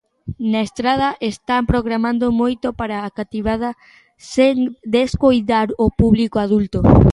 Na Estrada están programando moito para a cativada, sen descoidar o público adulto.